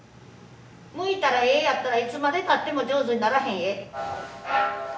向いたらええやったらいつまでたっても上手にならへんえ。